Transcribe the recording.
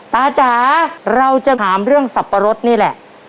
จ๋าเราจะถามเรื่องสับปะรดนี่แหละ